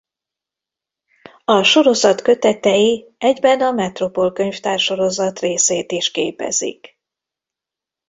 A sorozat kötetei egyben a Metropol Könyvtár sorozat részét is képezik.